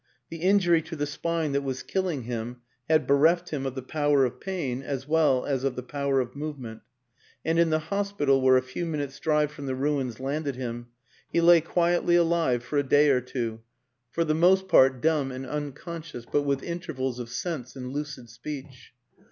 The in jury to the spine that was killing him had bereft him of the power of pain as well as of the power of movement, and in the hospital, where a few minutes' drive from the ruins landed him, he lay quietly alive for a day or two, for the most part 276 WILLIAM AN ENGLISHMAN dumb and unconscious, but with intervals of sense and lucid speech.